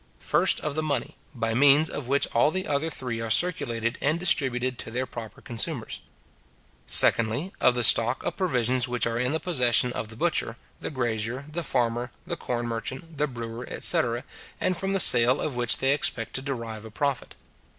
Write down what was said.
First, of the money, by means of which all the other three are circulated and distributed to their proper consumers. Secondly, of the stock of provisions which are in the possession of the butcher, the grazier, the farmer, the corn merchant, the brewer, etc. and from the sale of which they expect to derive a profit.